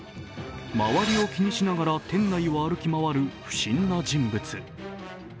周りを気にしながら店内を歩き回る不審な人物。